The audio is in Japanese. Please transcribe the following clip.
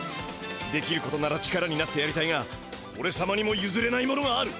できることなら力になってやりたいがおれさまにもゆずれないものがある！